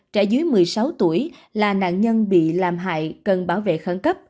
trẻ dưới một mươi sáu tuổi là nạn nhân bị làm hại cần bảo vệ khẩn cấp